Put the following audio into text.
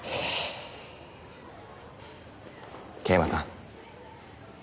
桂馬さん。